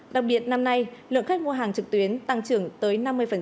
đặc biệt năm nay lượng khách mua hàng trực tuyến tăng trưởng tới năm mươi